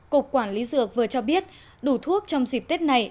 cục quản lý dược vừa cho biết đủ thuốc trong dịp tết này